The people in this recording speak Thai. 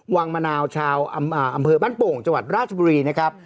วังมะนาวชาวอำเภอบ้านโป่งจังหวัดราชบุรีนะครับ